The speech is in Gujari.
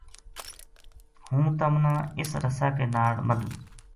ہوں تمنا اس رسا کے ناڑ مدھوں